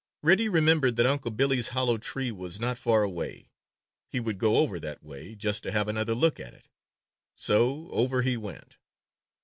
Reddy remembered that Unc' Billy's hollow tree was not far away. He would go over that way, just to have another look at it. So over he went.